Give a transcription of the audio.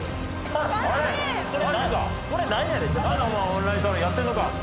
オンラインサロンやってるのか？